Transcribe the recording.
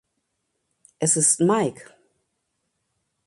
Es ist Mike.